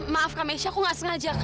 maaf kamisya aku ga sengaja kak